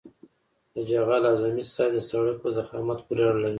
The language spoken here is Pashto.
د جغل اعظمي سایز د سرک په ضخامت پورې اړه لري